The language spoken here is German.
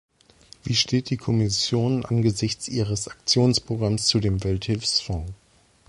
Wie steht die Kommission angesichts ihres Aktionsprogramms zu dem Welthilfsfonds?